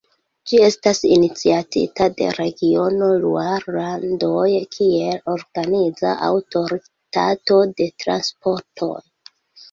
Ĝi estas iniciatita de regiono Luarlandoj kiel organiza aŭtoritato de transportoj.